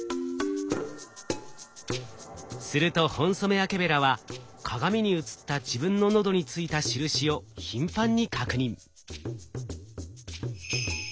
するとホンソメワケベラは鏡に映った自分の喉についた印を頻繁に確認。